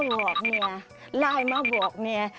บอกเมียไลน์มาบอกเมีย